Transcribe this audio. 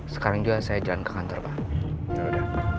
sekarang juga saya jalan ke kantor pak